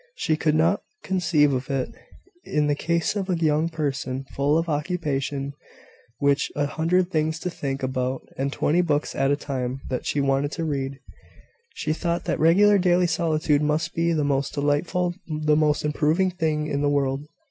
She could not conceive of it, in the case of a young person, full of occupation, with a hundred things to think about, and twenty books at a time that she wanted to read. She thought that regular daily solitude must be the most delightful, the most improving thing in the world.